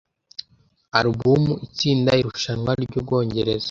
alubumu itsinda irushanwa ryu Bwongereza